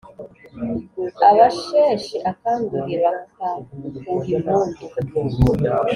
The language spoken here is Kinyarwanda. abasheshe akanguhe bakawuha impundu